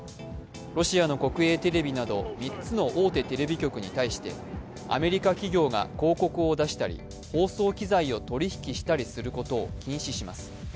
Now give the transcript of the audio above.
ロシアの国営テレビなど３つの大手のテレビ局に対してアメリカ企業が広告を出したり、放送機材を取り引きしたりすることを禁止します。